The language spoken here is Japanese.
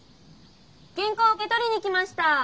原稿受け取りに来ました。